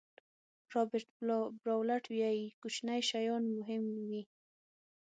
رابرټ براولټ وایي کوچني شیان مهم وي.